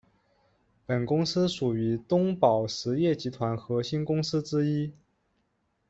本公司属于东宝实业集团核心公司之一。